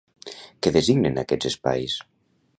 Què designen aquests espais?